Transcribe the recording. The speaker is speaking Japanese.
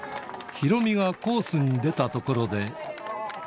ヒロミがコースに出たところで。